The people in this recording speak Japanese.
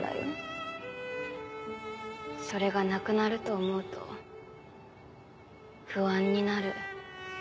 それがなくなると思うと不安になる。